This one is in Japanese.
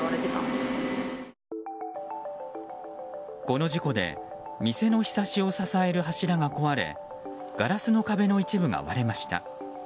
この事故で店のひさしを支える柱が壊れガラスの壁の一部が割れました。